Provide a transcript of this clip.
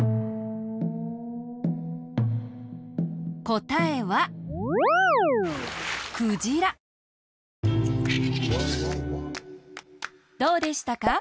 こたえはどうでしたか？